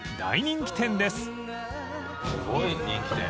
すごい人気店。